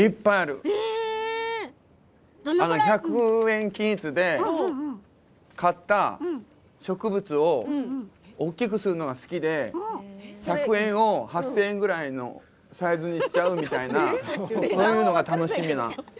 １００円均一で買った植物を大きくするのが好きで１００円を８０００円ぐらいのサイズにしちゃうみたいなそれが楽しみなの。